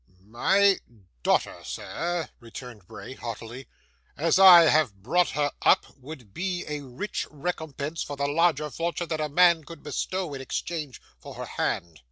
'My daughter, sir,' returned Bray, haughtily, 'as I have brought her up, would be a rich recompense for the largest fortune that a man could bestow in exchange for her hand.